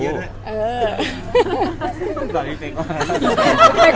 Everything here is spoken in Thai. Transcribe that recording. ไม่ต้องตัวเฮียอร์ด